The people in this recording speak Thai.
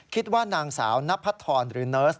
คิดว่านางสาวนพัทธรหรือเนิร์ส